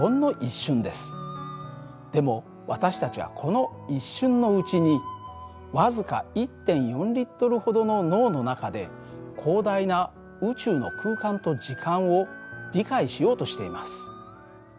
でも私たちはこの一瞬のうちに僅か１．４リットルほどの脳の中で広大な宇宙の空間と時間を理解しようとしています。